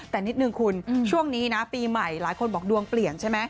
แต่นิดนึงคุณช่วงนี้นะปีใหม่หลายคนบอกดวงเปลี่ยนใช่ไหม